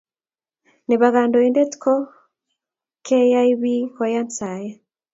Ne bo kandoe ko kenyay bii koyan sae.